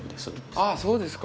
あそうですか。